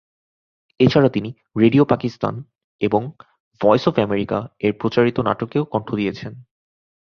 এছাড়াও তিনি "রেডিও পাকিস্তান" এবং "ভয়েস অফ আমেরিকা" এর প্রচারিত নাটকেও কণ্ঠ দিয়েছেন।